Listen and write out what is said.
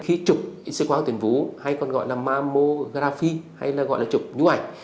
khi trục xếp khoáng tuyên vú hay còn gọi là mammography hay là gọi là trục nhu ảnh